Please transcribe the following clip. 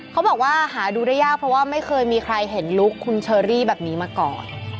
เขาบอกว่าหาดูได้ยากเพราะว่าไม่เคยมีใครเห็นลุคคุณเชอรี่แบบนี้มาก่อน